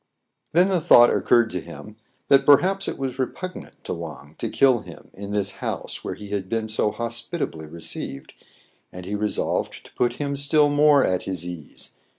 Then the thought occurred to him, that perhaps it was repugnant to Wang to kill him in this house where he had been so hospitably received, and he resolved to put him still more at his ease.